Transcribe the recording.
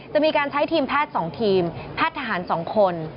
จะมีการใช้ทีมแพทย์๒ทีมแพทย์ทหาร๒คน